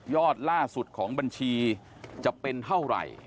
ล่าสุดของบัญชีจะเป็นเท่าไหร่